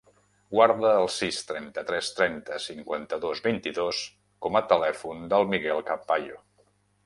Guarda el sis, trenta-tres, trenta, cinquanta-dos, vint-i-dos com a telèfon del Miguel Campayo.